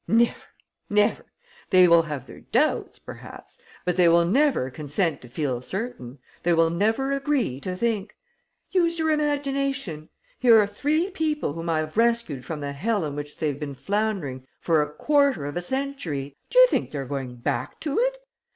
"Never! Never! They will have their doubts, perhaps. But they will never consent to feel certain! They will never agree to think! Use your imagination! Here are three people whom I have rescued from the hell in which they have been floundering for a quarter of a century. Do you think they're going back to it?